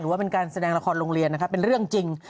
หรือว่าเป็นการแสดงละครโรงเรียนเป็นเรื่องจริง